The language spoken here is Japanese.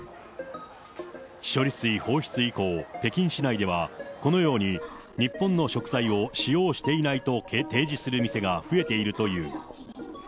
処理水放出以降、北京市内ではこのように日本の食材を使用していないと提示する店が増えているという。